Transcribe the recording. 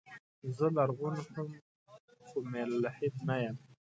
زه لرغون خو ملحد نه يم.